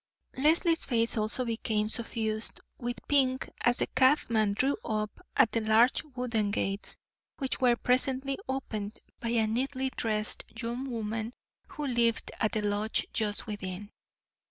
Leslie's face also became suffused with pink as the cabman drew up at the large wooden gates, which were presently opened by a neatly dressed young woman who lived at the lodge just within.